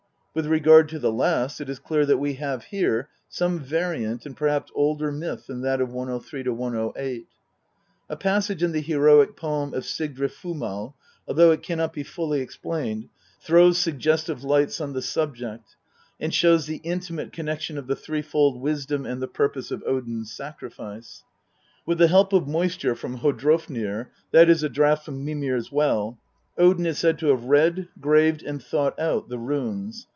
With regard to the last it is clear that we have here some variant and perhaps older myth than that of 103 108. A passage in the heroic poem of Sigrdrifumal, although it cannot be fully explained, throws suggestive lights on the subject, and shows the intimate connection.of the threefold wisdom and the purpose of Odin's sacrifice. With the help of moisture from Hoddrofnir that is, a draught from Mimir's well Odin is said to have read, graved, and thought out the runes.